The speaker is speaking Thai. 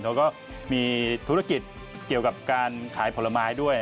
เขาก็มีธุรกิจเกี่ยวกับการขายผลไม้ด้วย